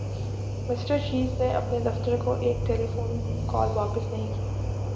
mister Cheese نے اپنے دفتر کو ایک ٹیلیفون کال واپس نہیں کی